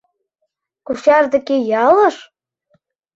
Кочаж деке, ялыш?